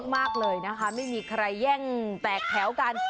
มากเลยนะคะไม่มีใครแย่งแตกแถวกัน